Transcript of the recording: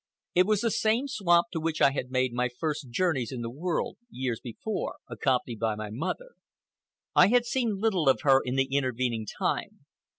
It was the same swamp to which I had made my first journeys in the world, years before, accompanied by my mother. I had seen little of her in the intervening time.